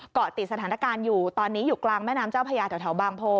เกาะติดสถานการณ์อยู่ตอนนี้อยู่กลางแม่น้ำเจ้าพญาแถวบางโพ